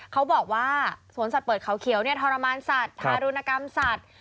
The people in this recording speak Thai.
เขาบอกว่าสวนสัตว์เปิดเขาเขียวเนี่ยทรมานสัตว์ทารุณกรรมสัตว์